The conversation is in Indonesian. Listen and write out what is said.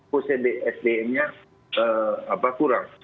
kok sdm nya kurang